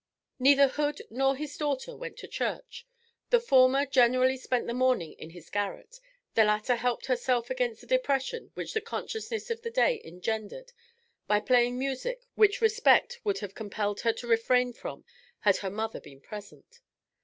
Neither Hood nor his daughter went to church; the former generally spent the morning in his garret, the latter helped herself against the depression which the consciousness of the day engendered by playing music which respect would have compelled her to refrain from had her mother been present.